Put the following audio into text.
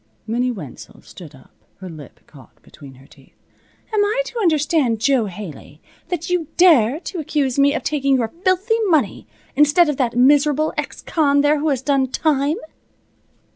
Minnie Wenzel stood up, her lip caught between her teeth. "Am I to understand, Jo Haley, that you dare to accuse me of taking your filthy money, instead of that miserable ex con there who has done time?"